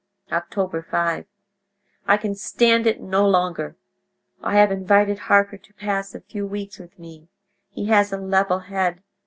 "Oct. 5.—I can stand it no longer; I have invited Harker to pass a few weeks with me—he has a level head.